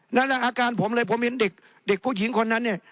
นั่นแหละอาการผมเลยผมเห็นเด็กผู้หญิงคนนั้นเนี่ย